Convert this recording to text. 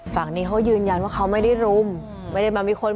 ทางนี้ถูกเจอถูกโทรไว้หาเขาของหูเขาเลยจริงมั้ย